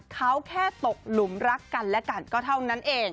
เขาแค่ตกหลุมรักกันและกันก็เท่านั้นเอง